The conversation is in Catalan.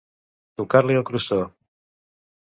Tocar-li el crostó.